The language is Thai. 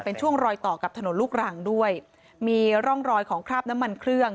เป็นช่วงรอยต่อกับถนนลูกรังด้วยมีร่องรอยของคราบน้ำมันเครื่อง